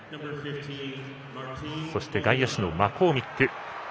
そして外野手のマコーミック。